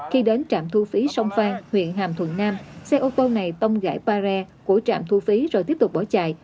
khi đến trạm thu phí sông phan huyện hàm thuận nam xe ô tô này tông gãy ba re của trạm thu phí rồi tiếp tục bỏ chạy